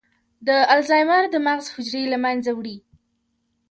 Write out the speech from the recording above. د الزایمر د مغز حجرې له منځه وړي.